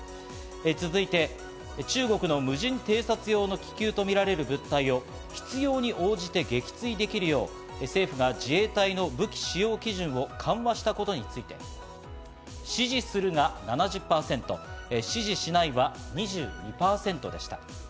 続いて中国の無人偵察用の気球とみられる物体を必要に応じて撃墜できるよう、政府が自衛隊の武器使用基準を緩和したことについて、支持するが７０％、支持しないは２２％でした。